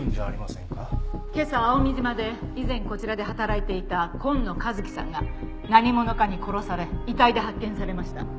今朝蒼海島で以前こちらで働いていた今野和樹さんが何者かに殺され遺体で発見されました。